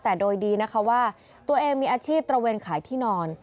แต่โดยดีนะคะว่าตัวเองมีอาชีพตระเวนขายที่นอน